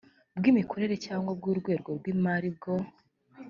bw imikorere cyangwa bw urwego rw imari bwo